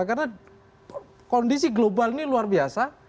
karena kondisi global ini luar biasa